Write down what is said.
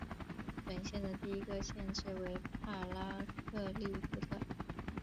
本县的第一个县治为帕拉克利夫特。